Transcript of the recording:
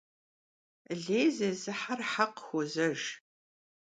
Lêy zêzıher hekh xuozejj.